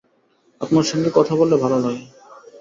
আপনার সঙ্গে কথা বললে ভালো লাগে।